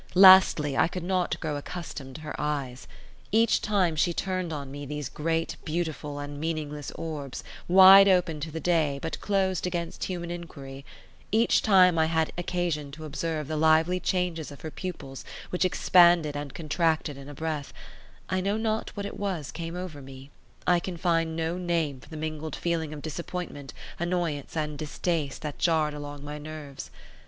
Lastly, I could not grow accustomed to her eyes. Each time she turned on me these great beautiful and meaningless orbs, wide open to the day, but closed against human inquiry—each time I had occasion to observe the lively changes of her pupils which expanded and contracted in a breath—I know not what it was came over me, I can find no name for the mingled feeling of disappointment, annoyance, and distaste that jarred along my nerves.